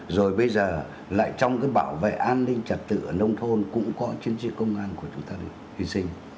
rồi bây giờ lại trong cái bảo vệ an ninh trật tự ở nông thôn cũng có chiến sĩ công an của chúng ta hy sinh